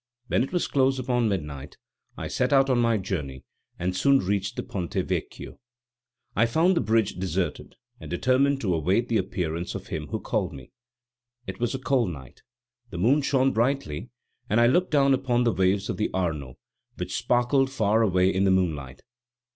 When it was close upon midnight I set out on my journey, and soon reached the Ponte Vecchio. I found the bridge deserted, and determined to await the appearance of him who called me. It was a cold night; the moon shone brightly, and I looked down upon the waves of the Arno, which sparkled far away in the moonlight.